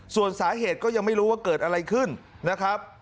ส่วนสาเหตุก็ยังไม่รู้ว่าเกิดอะไรขึ้นนะครับ